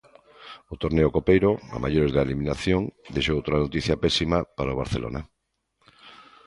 O torneo copeiro, a maiores da eliminación, deixou outra noticia pésima para o Barcelona.